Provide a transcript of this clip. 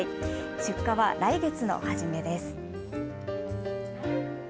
出荷は来月の初めです。